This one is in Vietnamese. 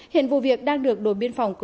hiện vụ việc đang được đổi biên phòng cửa